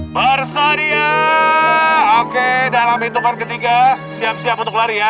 bersedia oke dalam hitungan ketiga siap siap untuk lari ya